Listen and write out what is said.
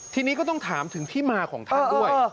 ทีนี้ก็ต้องถามถึงที่มาของท่านด้วย